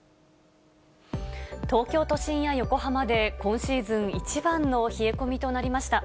東京都心や横浜で今シーズン一番の冷え込みとなりました。